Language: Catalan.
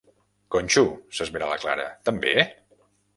Conxo! —s'esvera la Clara— També?